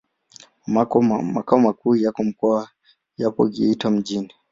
Makao makuu ya mkoa yapo Geita mjini.